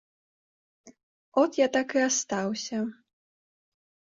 От я так і астаўся.